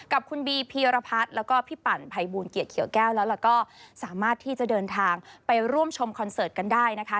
กับคุณบีพีรพัฒน์แล้วก็พี่ปั่นภัยบูลเกียรติเขียวแก้วแล้วก็สามารถที่จะเดินทางไปร่วมชมคอนเสิร์ตกันได้นะคะ